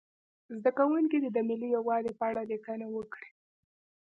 زده کوونکي دې د ملي یووالي په اړه لیکنه وکړي.